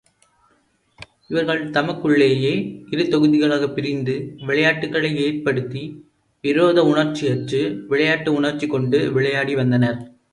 இவர்கள் தமக்குள்ளேயே இருதொகுதிகளாகப் பிரிந்து விளையாட்டுக்களை ஏற்படுத்தி விரோத உணர்ச்சியற்று விளையாட்டு உணர்ச்சி கொண்டு விளையாடி வந்தனர்.